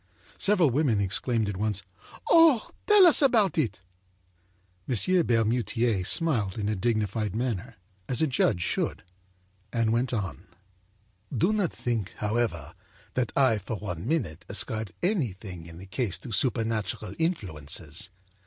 â Several women exclaimed at once: âOh! Tell us about it!â M. Bermutier smiled in a dignified manner, as a judge should, and went on: âDo not think, however, that I, for one minute, ascribed anything in the case to supernatural influences.